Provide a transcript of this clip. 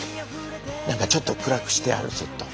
何かちょっと暗くしてあるセット。